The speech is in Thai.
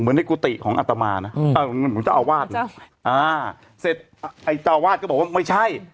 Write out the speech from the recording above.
เหมือนในกุฏิของอัตมาน่ะอืมเหมือนจ้าวาสอ่าเสร็จไอ้จ้าวาสก็บอกว่าไม่ใช่